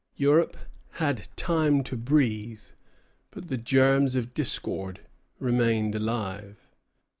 Europe had time to breathe; but the germs of discord remained alive.